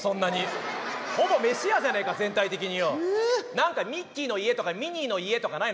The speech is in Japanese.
何かミッキーの家とかミニーの家とかないの？